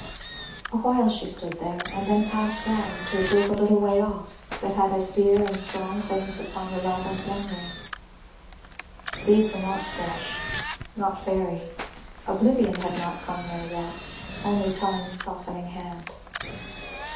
Awhile she stood there; and then passed round to a group a little way off, that had as dear and strong claims upon her love and memory. These were not fresh, not very; oblivion had not come there yet; only Time's softening hand.